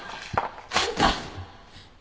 あんた。